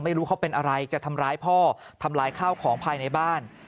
ไม่รู้เขาเป็นอะไรจะทำร้ายพ่อทำลายข้าวของภายในบ้าน